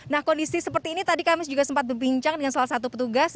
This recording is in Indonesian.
nah kondisi seperti ini tadi kami juga sempat berbincang dengan salah satu petugas